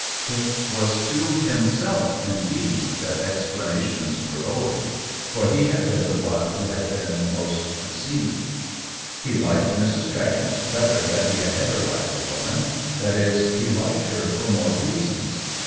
It was to himself indeed that explanations were owing, for he had been the one who had been most deceived. He liked Mrs. Tregent better than he had ever liked a woman — that is, he liked her for more reasons.